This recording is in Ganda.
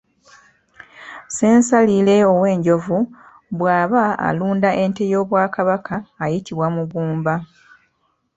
Ssensalire ow’enjovu bw’aba alunda ente y’obwaKabaka ayitibwa mugumba.